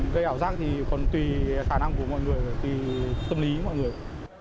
cái ảo giác thì còn tùy khả năng của mọi người tùy tâm lý của mọi người